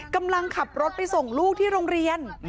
กำลังขับรถไปส่งลูกที่โรงเรียน